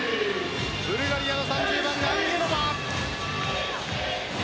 ブルガリアの３０番アンゲロバ。